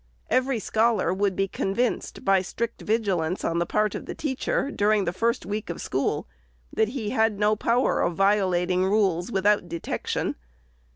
Every scholar would be convinced, by strict vigilance on the part of the teacher, during the first week of the school, that he had no power of violating rules without detection.